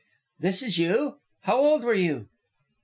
"This is you? How old were you?"